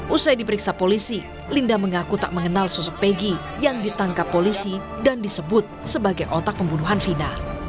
usai diperiksa polisi linda mengaku tak mengenal sosok pegi yang ditangkap polisi dan disebut sebagai otak pembunuhan vina